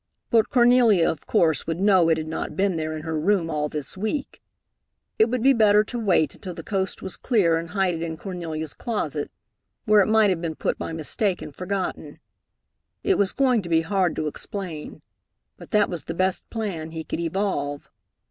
But Cornelia, of course, would know it had not been there in her room all this week. It would be better to wait until the coast was clear and hide it in Cornelia's closet, where it might have been put by mistake and forgotten. It was going to be hard to explain, but that was the best plan he could evolve.